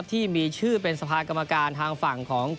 ที่มีชื่อเป็นสภากรรมการทางฝั่งของ